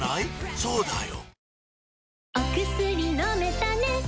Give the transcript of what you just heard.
そうだよ！